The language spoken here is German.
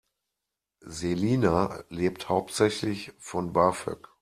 Selina lebt hauptsächlich von BAföG.